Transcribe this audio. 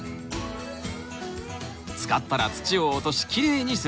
使ったら土を落としきれいにする！